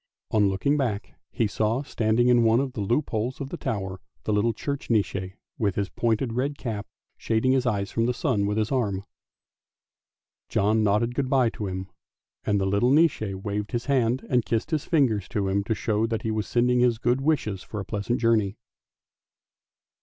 On looking back he saw standing in one of the loop holes of the tower the little church Nisse with his pointed red cap, shading his eyes from the sun with his arm. John nodded good bye to him, and the little Nisse waved his hand and kissed his fingers to him to show that he was sending his good wishes for a pleasant journey.